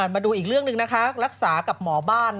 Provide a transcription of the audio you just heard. มาดูอีกเรื่องหนึ่งนะคะรักษากับหมอบ้าน